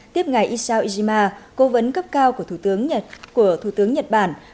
tiếp ngài isao ijima cố vấn cấp cao của thủ tướng nhật bản